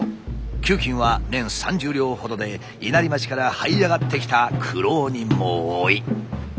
給金は年３０両ほどで稲荷町からはい上がってきた苦労人も多い。